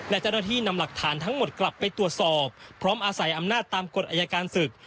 และเจ้าหน้าที่นำหลักฐานทั้งหมดกลับไปตรวจสอบพร้อมอาศัยอำนาจตามกฎอายการศึก